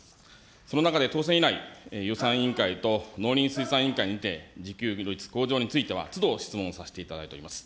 その中で当選以来、予算委員会と農林水産委員会にて、自給率向上についてはつど、質問をさせていただいております。